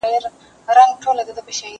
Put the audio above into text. زه پرون مېوې راټولوم وم؟!